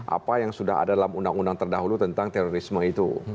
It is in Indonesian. apa yang sudah ada dalam undang undang terdahulu tentang terorisme itu